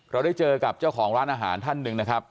เราได้เจอกับเจ้าของร้านอาหารท่านหนึ่งนะครับ